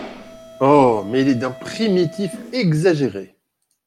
Oh ! mais il est d’un primitif exagéré !…